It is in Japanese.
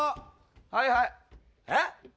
はいはいえ？